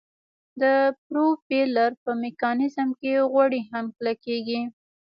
د پروپیلر په میکانیزم کې غوړي هم کلکیږي